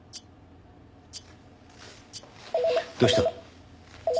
どうした？